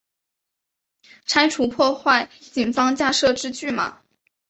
拆除破坏警方架设之拒马